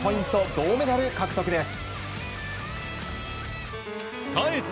銅メダル獲得です。